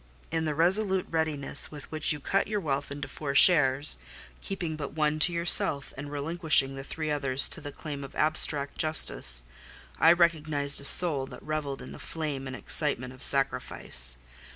In the resolute readiness with which you cut your wealth into four shares, keeping but one to yourself, and relinquishing the three others to the claim of abstract justice, I recognised a soul that revelled in the flame and excitement of sacrifice.